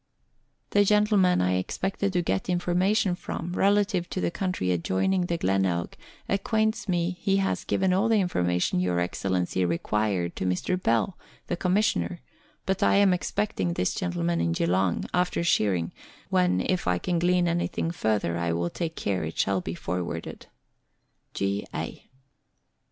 The gentleman I expected to get information from relative to the country adjoining the Glenelg acquaints me he has given all the information Your Excellency required to Mr. Bell, 'the Com missioner, but I am expecting this gentleman in Geelong, after shearing, when if I can glean anything further I will take care it shall be forwarded. G. A.